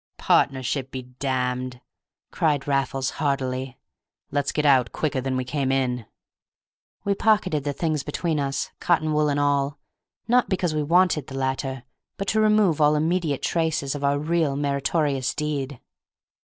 "Partnership be damned!" cried Raffles, heartily. "Let's get out quicker than we came in." We pocketed the things between us, cotton wool and all, not because we wanted the latter, but to remove all immediate traces of our really meritorious deed.